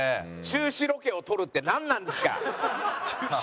中止ロケを撮るってなんなんですか！